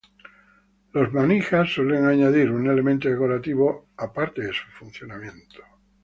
Las manijas suelen añadir un elemento decorativo a parte de su funcionamiento.